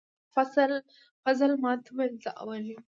فضل ماته وویل زه اول یم